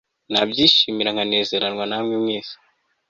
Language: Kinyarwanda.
nabyishimira nkanezeranwa namwe mwese